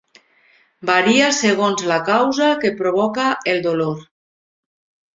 Varia segons la causa que provoca el dolor.